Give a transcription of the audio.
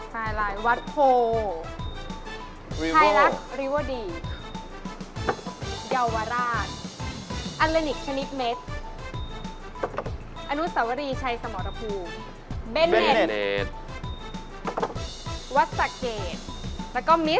ถ้าพร้อมแล้วเรามาดูที่ตำแหน่งที่๑นะครับ